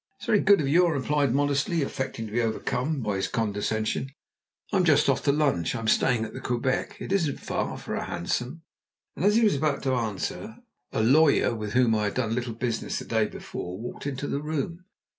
"It's very good of you," I replied modestly, affecting to be overcome by his condescension. "I'm just off to lunch. I am staying at the Quebec. Is it far enough for a hansom?" As he was about to answer, a lawyer, with whom I had done a little business the day before, walked into the room.